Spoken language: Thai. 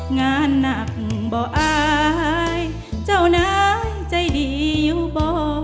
งานหนักบ่ออายเจ้านายใจดีอยู่บ่อ